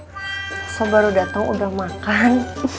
saya baru datang udah makan